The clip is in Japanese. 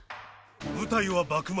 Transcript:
舞台は幕末。